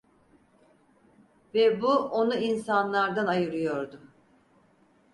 Ve bu onu insanlardan ayırıyordu.